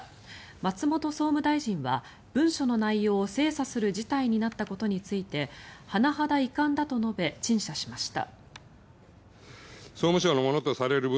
松本総務大臣は文書の内容を精査する事態になったことについて甚だ遺憾だと述べ陳謝しました。